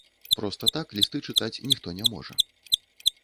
Проста так лісты чытаць ніхто не можа.